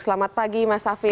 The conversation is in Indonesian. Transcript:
selamat pagi mas safir